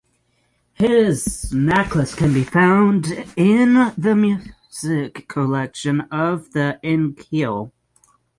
His "Nachlass" can be found in the music collection of the in Kiel.